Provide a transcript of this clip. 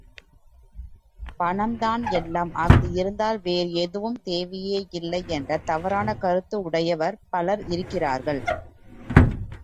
பணம்தான் எல்லாம் அஃது இருந்தால் வேறு எதுவும் தேவையே இல்லை என்ற தவறான கருத்து உடையவர் பலர் இருக்கிறார்கள்.